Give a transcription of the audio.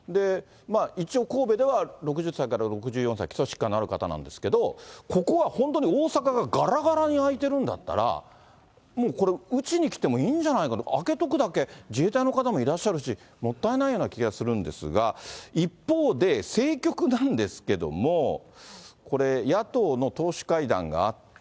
一応、神戸では６０歳から６４歳、基礎疾患のある方なんですけど、ここは本当に大阪ががらがらに空いてるんだったら、もうこれ、打ちに来てもいいんじゃないか、空けとくだけ自衛隊の方もいらっしゃるしもったいないような気がするんですが、一方で、政局なんですけれども、これ、野党の党首会談があって。